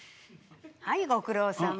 はいご苦労さま。